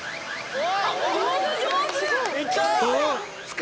お！